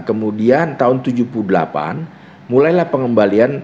kemudian tahun seribu sembilan ratus tujuh puluh delapan mulailah pengembalian